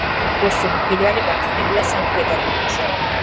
რუსული ფილიალი გახსნილია სანქტ-პეტერბურგში.